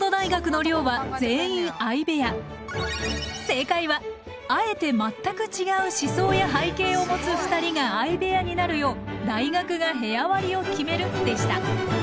正解はあえて全く違う思想や背景を持つ２人が相部屋になるよう大学が部屋割りを決めるでした。